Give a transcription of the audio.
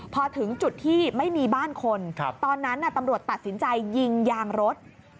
พอถึงจุดที่ไม่มีบ้านคนตอนนั้นตำรวจตัดสินใจยิงยางรถ